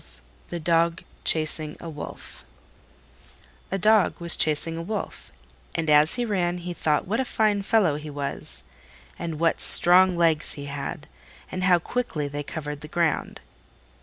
THE DOG CHASING A WOLF A Dog was chasing a Wolf, and as he ran he thought what a fine fellow he was, and what strong legs he had, and how quickly they covered the ground.